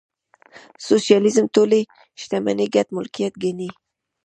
سوشیالیزم ټولې شتمنۍ ګډ ملکیت ګڼي.